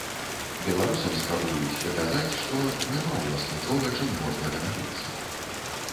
Беларусам спрабуюць даказаць, што няма ў вас нічога, чым можна ганарыцца.